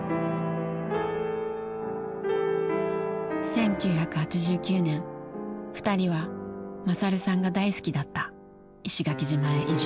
１９８９年２人は勝さんが大好きだった石垣島へ移住。